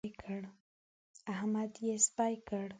احمد يې سپي کړ.